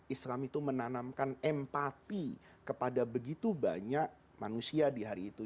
islam itu menanamkan empati kepada begitu banyak manusia di hari itu